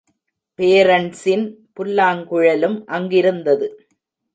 Parent சின் புல்லாங்குழலும் அங்கிருந்தது.